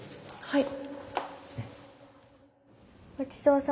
はい。